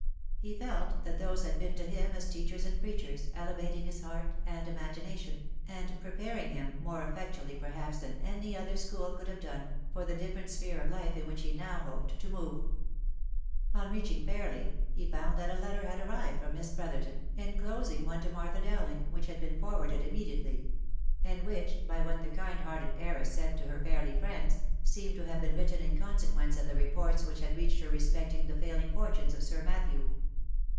He felt that those had been to him as teachers and preachers, elevating his heart and imagination, and preparing him, more effectually perhaps than any other school could have done, for the different sphere of life in which he now hoped to move. On reaching Fairly, he found that a letter had arrived from Miss Brotherton, enclosing one to Martha Dowling, which had been for warded immediately ; and which, by what the kind hearted heiress said to her Fairly friends, seemed to have been written in consequence of the reports which had reached her respecting the failing fortunes of Sir Matthew.